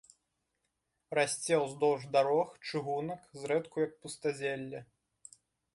Расце ўздоўж дарог, чыгунак, зрэдку як пустазелле.